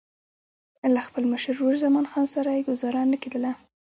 له خپل مشر ورور زمان خان سره یې ګوزاره نه کېدله.